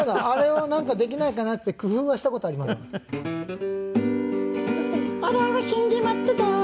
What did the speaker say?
あれをなんかできないかなって工夫はした事ありますけど。